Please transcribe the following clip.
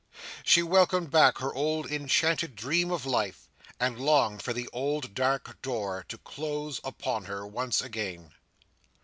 She welcomed back her old enchanted dream of life, and longed for the old dark door to close upon her, once again.